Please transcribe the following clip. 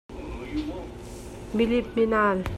Mi lip mi nal.